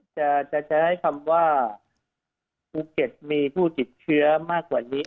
จะใช้คำว่าภูเก็ตมีผู้ติดเชื้อมากกว่านี้